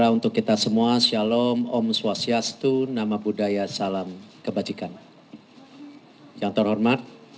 untuk itu silakan pak menteri